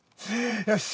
よし！